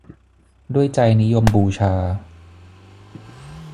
ด้วยใจนิยมบูชา